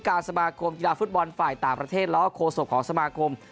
สมาคมกีฬาฟุตบอลฝ่ายต่างประเทศแล้วก็โคศกของสมาคม